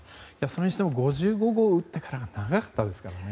それにしても、５５号を打ってから長かったですからね。